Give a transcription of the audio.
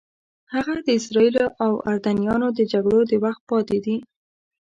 هغه د اسرائیلو او اردنیانو د جګړو د وخت پاتې دي.